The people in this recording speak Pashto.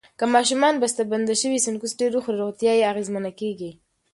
که ماشومان بستهبندي شوي سنکس ډیر وخوري، روغتیا یې اغېزمنه کېږي.